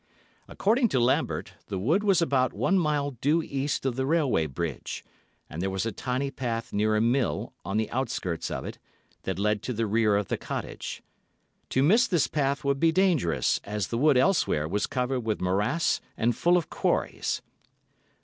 According to Lambert, the wood was about one mile due east of the railway bridge, and there was a tiny path near a mill, on the outskirts of it, that led to the rear of the cottage. To miss this path would be dangerous, as the wood elsewhere was covered with morass and full of quarries.